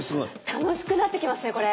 楽しくなってきますねこれ。